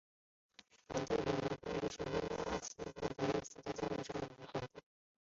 很多评论家着书立说批评沃斯通克拉夫特在教育方面的观点。